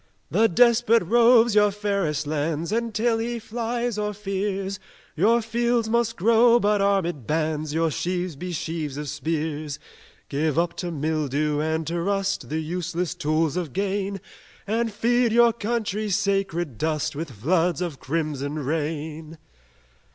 "The despot roves your fairest lands; And till he flies or fears, Your fields must grow but armed bands Your sheaves be sheaves of spears: Give up to mildew and to rust The useless tools of gain And feed your country's sacred dust With floods of crimson rain!"